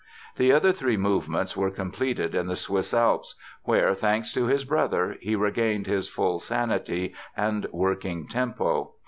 The other three movements were completed in the Swiss Alps, where, thanks to his brother, he regained his full sanity and working tempo.